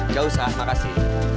jauh sah makasih